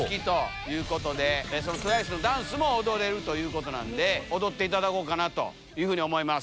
ＴＷＩＣＥのダンスも踊れるということなんで踊っていただこうかなと思います。